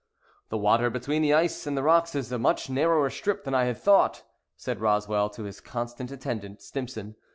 "The water between the ice and the rocks is a much narrower strip than I had thought," said Roswell to his constant attendant, Stimson.